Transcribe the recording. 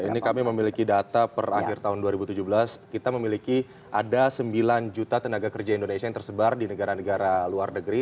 ini kami memiliki data per akhir tahun dua ribu tujuh belas kita memiliki ada sembilan juta tenaga kerja indonesia yang tersebar di negara negara luar negeri